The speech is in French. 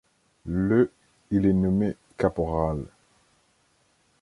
Le il est nommé caporal.